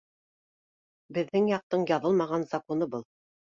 Беҙҙең яҡтың яҙылмаған законы был